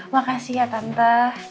makasih ya tante